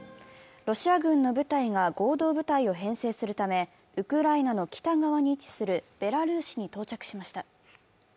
ロシア軍の部隊が合同部隊を編成するため、ウクライナの北側に位置するベラルーシに到着しました。